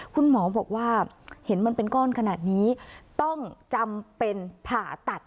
คุณหมอบอกว่าเห็นมันเป็นก้อนขนาดนี้ต้องจำเป็นผ่าตัด